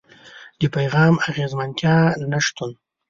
د پيغام د اغېزمنتيا نشتون.